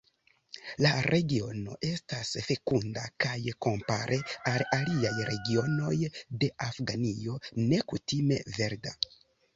La regiono estas fekunda kaj kompare al aliaj regionoj de Afganio nekutime verda.